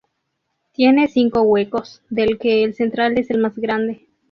Tiene cinco huecos, del que el central es el más grande.